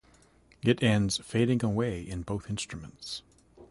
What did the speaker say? It ends fading away in both instruments.